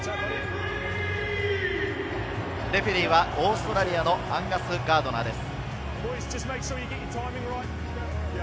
レフェリーはオーストラリアのアンガス・ガードナーです。